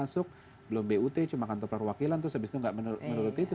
masuk belum but cuma kantor perwakilan terus habis itu nggak menurut itu